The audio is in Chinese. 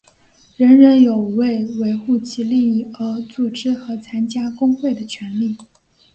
人人有为维护其利益而组织和参加工会的权利。